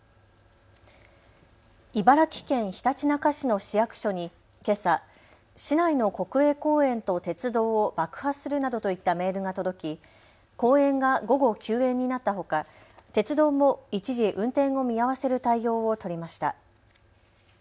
茨城県ひたちなか市の市役所にけさ、市内の国営公園と鉄道を爆破するなどといったメールが届き、公園が午後、休園になったほか鉄道も一時、運転を見合わせる対応を取りました。